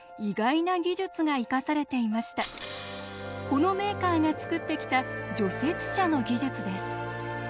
このメーカーが作ってきた除雪車の技術です。